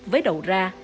với đầu ra